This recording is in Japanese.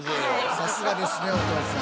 さすがですねお父さん。